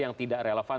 yang tidak relevan